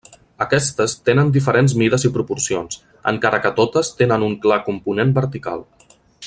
Aquestes tenen diferents mides i proporcions, encara que totes tenen un clar component vertical.